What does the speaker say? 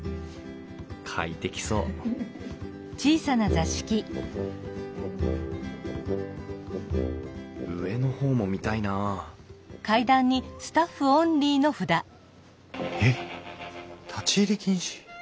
快適そう上の方も見たいなあえっ立ち入り禁止。